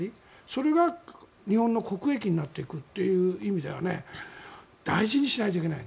それが日本の国益になっていくっていう意味では大事にしないといけない。